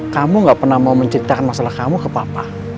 kamu gak pernah mau menceritakan masalah kamu ke papa